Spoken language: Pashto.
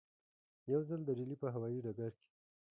یو ځل د ډیلي په هوایي ډګر کې وو.